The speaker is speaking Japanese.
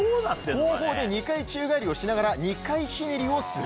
後方で２回宙返りをしながら２回ひねりをする。